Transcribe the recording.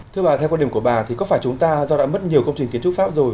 thưa bà theo quan điểm của bà thì có phải chúng ta do đã mất nhiều công trình kiến trúc pháp rồi